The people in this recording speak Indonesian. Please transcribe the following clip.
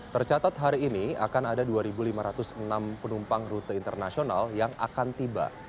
tercatat hari ini akan ada dua lima ratus enam penumpang rute internasional yang akan tiba